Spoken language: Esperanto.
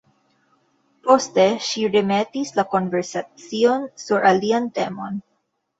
Poste ŝi remetis la konversacion sur alian temon.